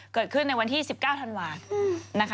เกิดขึ้นในวันที่๑๙ธันวานะคะ